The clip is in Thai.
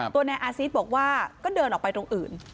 ตัวนายอาซิสบอกว่าก็เดินออกไปตรงอื่น